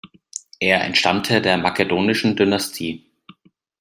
Er entstammte der Makedonischen Dynastie.